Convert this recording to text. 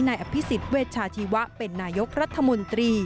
นายอภิษฎเวชาชีวะเป็นนายกรัฐมนตรี